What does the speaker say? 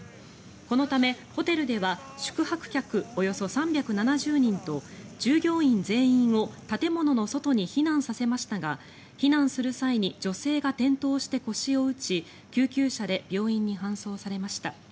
このため、ホテルでは宿泊客およそ３７０人と従業員全員を建物の外に避難させましたが避難する際に女性が転倒して腰を打ち救急車で病院に搬送されました。